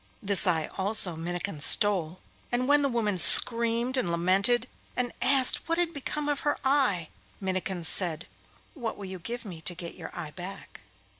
This eye also Minnikin stole, and when the woman screamed and lamented, and asked what had become of her eye, Minnikin said, 'What will you give me to get your eye back?